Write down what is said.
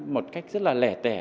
một cách rất là lẻ tẻ